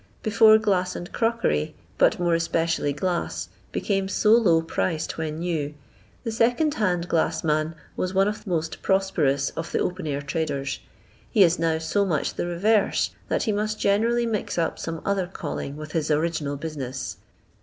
Before glass and crockery, but more especially glass, became so low priced when new, the second hand glass man was one of the most prosperous of the open air traders ; he is now so much the reverse that he must generally mix up some other calling with his original business.